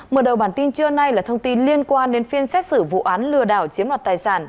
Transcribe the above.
mở đầu bản tin trưa nay là thông tin liên quan đến phiên xét xử vụ án lừa đảo chiếm đoạt tài sản